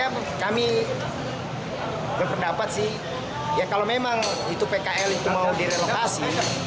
ya kami berpendapat sih ya kalau memang itu pkl itu mau direlokasi